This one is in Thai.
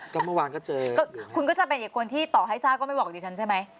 ก็เมื่อวานก็เจอคุณก็จะเป็นอีกคนที่ต่อให้ทราบก็ไม่บอกดิฉันใช่ไหม